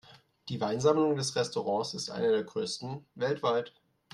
Die Weinsammlung des Restaurants ist eine der größten weltweit.